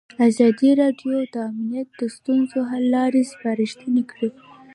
ازادي راډیو د امنیت د ستونزو حل لارې سپارښتنې کړي.